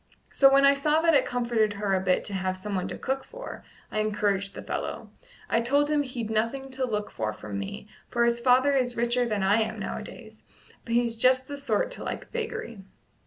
So when I saw that it comforted her a bit to have someone to cook for, I encouraged the fellow. I told him he'd nothing to look for from me, for his father is richer than I am nowadays; but he's just the sort to like vagary."